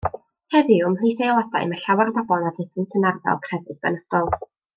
Heddiw ymhlith ei aelodau mae llawer o bobl nad ydynt yn arddel crefydd benodol.